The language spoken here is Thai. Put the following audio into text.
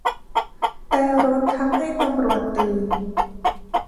แตรรถทำให้ตำรวจตื่น